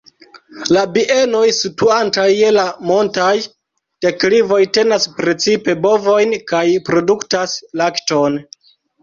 La bienoj situantaj je la montaj deklivoj tenas precipe bovojn kaj produktas lakton.